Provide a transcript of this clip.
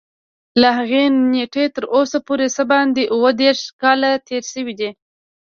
له هغې نېټې تر اوسه پورې څه باندې اووه دېرش کاله تېر شوي دي.